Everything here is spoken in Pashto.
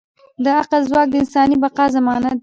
د عقل ځواک د انساني بقا ضمانت دی.